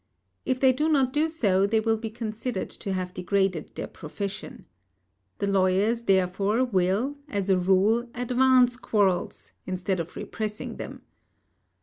If they do not do so, they will be considered to have degraded their profession. The lawyers, therefore, will, as a rule advance quarrels, instead of repressing them.